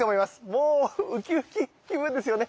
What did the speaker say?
もうウキウキ気分ですよね。